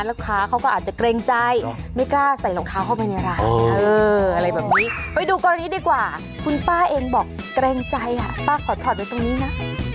ลูกค้าเขาก็อาจจะเกรงใจไม่กล้าใส่รองเท้าเข้าไปในร้านอะไรแบบนี้ไปดูกรณีดีกว่าคุณป้าเองบอกเกรงใจอ่ะป้าขอถอดไว้ตรงนี้นะ